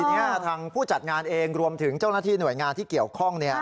ทีนี้ทางผู้จัดงานเองรวมถึงเจ้าหน้าที่หน่วยงานที่เกี่ยวข้อง